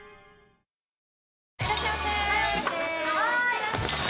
いらっしゃいませ！